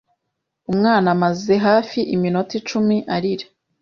Umwana amaze hafi iminota icumi arira.